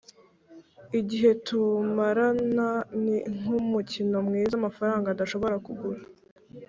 igihe tumarana ni nk’umukino mwiza amafaranga adashobora kugura